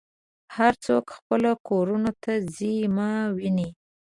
هر څوک خپلو کورونو ته ځي ما وینې.